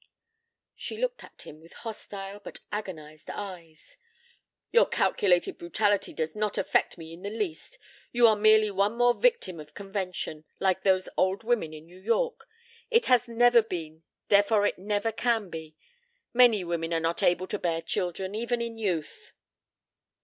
She looked at him with hostile but agonized eyes. "Your calculated brutality does not affect me in the least. And you are merely one more victim of convention like those old women in New York. It never has been, therefore it never can be. Many women are not able to bear children, even in youth."